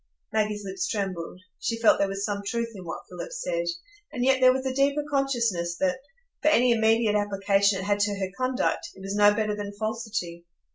Maggie's lips trembled; she felt there was some truth in what Philip said, and yet there was a deeper consciousness that, for any immediate application it had to her conduct, it was no better than falsity.